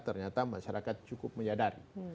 ternyata masyarakat cukup menyadari